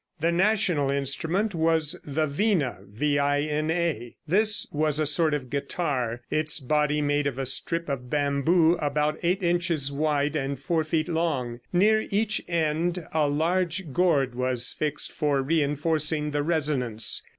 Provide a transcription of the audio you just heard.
The national instrument was the vina. This was a sort of guitar, its body made of a strip of bamboo about eight inches wide and four feet long. Near each end a large gourd was fixed, for reinforcing the resonance.